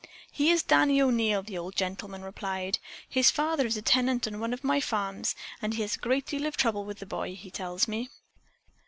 "He is Danny O'Neil," the old gentleman replied. "His father is a tenant on one of my farms and he has had a great deal of trouble with the boy, he tells me.